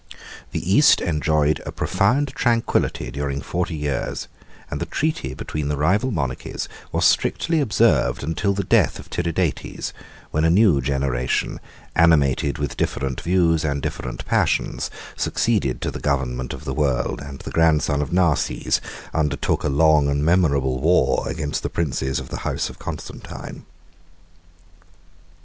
84 The East enjoyed a profound tranquillity during forty years; and the treaty between the rival monarchies was strictly observed till the death of Tiridates; when a new generation, animated with different views and different passions, succeeded to the government of the world; and the grandson of Narses undertook a long and memorable war against the princes of the house of Constantine.